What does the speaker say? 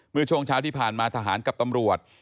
เมื่อช่วงเช้าที่ผ่านมาทหารกับตำรวจ